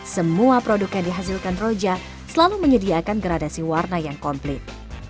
semua produk yang dihasilkan roja selalu menyediakan gradasi warna yang komplit